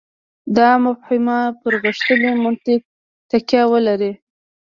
دا مفاهیم پر غښتلي منطق تکیه ولري.